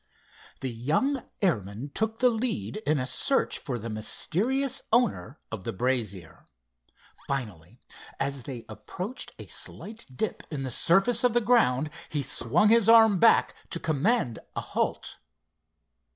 The young airman took the lead in a search for the mysterious owner of the brazier. Finally, as they approached a slight dip in the surface of the ground, he swung his arm back to command a halt.